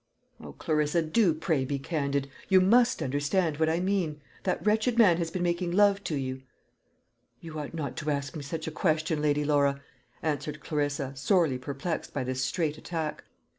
"O, Clarissa, do pray be candid. You must understand what I mean. That wretched man has been making love to you?" "You ought not to ask me such a question, Lady Laura," answered Clarissa, sorely perplexed by this straight attack.